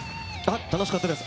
楽しかったです。